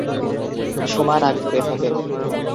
সোমা নাগপুরে থাকেন।